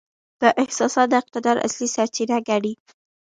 دا احساسات د اقتدار اصلي سرچینه ګڼي.